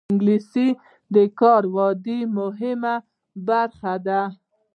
انګلیسي د کاري ودې مهمه برخه ده